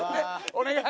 お願い！